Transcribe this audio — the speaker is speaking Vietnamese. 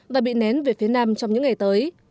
và bị nén về phía nam trong những ngày tới